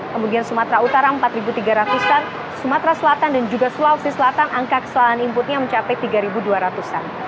kemudian sumatera utara empat tiga ratus an sumatera selatan dan juga sulawesi selatan angka kesalahan inputnya mencapai tiga dua ratus an